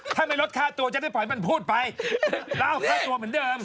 ถ้าไม่ลดค่าตัวจะได้ปล่อยมันพูดไปแล้วเอาค่าตัวเหมือนเดิม